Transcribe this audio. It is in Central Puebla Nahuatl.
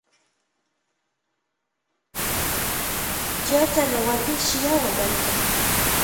Ye otlanauati xia Huamantla.